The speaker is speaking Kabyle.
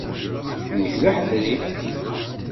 Nekk d aḥedri.